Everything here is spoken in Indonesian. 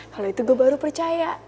kalau itu gue baru percaya